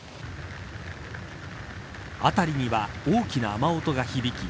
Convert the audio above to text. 辺りには大きな雨音が響き